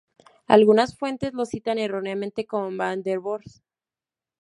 Algunas fuentes lo citan erróneamente como Van der Bos.